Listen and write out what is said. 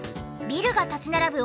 ビルが立ち並ぶ